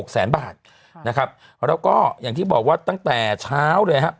แสนบาทนะครับแล้วก็อย่างที่บอกว่าตั้งแต่เช้าเลยฮะ